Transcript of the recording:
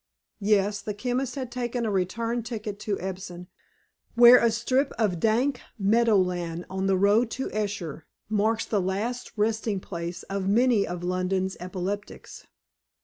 Yes, the chemist had taken a return ticket to Epsom, where a strip of dank meadow land on the road to Esher marks the last resting place of many of London's epileptics.